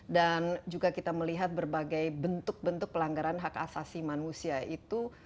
dan juga kita melihat berbagai bentuk bentuk pelanggaran hak asasi manusia itu